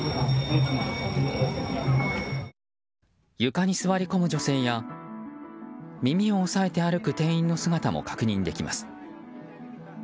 床に座り込む女性や耳を押さえて歩く店員の姿も確認できます。